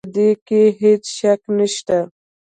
په دې کې هيڅ شک نشته